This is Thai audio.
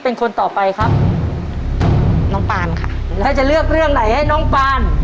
เป็นคนต่อไปครับน้องปานค่ะแล้วจะเลือกเรื่องไหนให้น้องปาน